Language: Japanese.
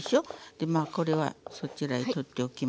でまあこれはそちらへ取っておきましょうか。